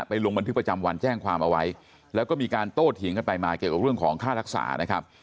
ลงบันทึกประจำวันแจ้งความเอาไว้แล้วก็มีการโต้เถียงกันไปมาเกี่ยวกับเรื่องของค่ารักษานะครับ